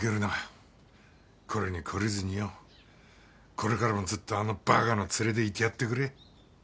これからもずっとあのバカのツレでいてやってくれ。